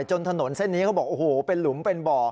ถนนเส้นนี้เขาบอกโอ้โหเป็นหลุมเป็นบ่อ